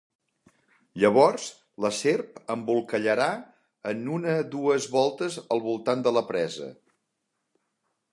Llavors, la serp embolcallarà en una dues voltes al voltant de la presa.